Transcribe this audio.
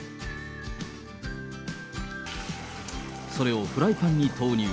それをフライパンに投入。